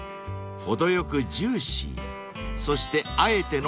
［程よくジューシーそしてあえての硬め］